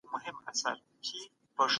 بيا هم وچكالۍ كي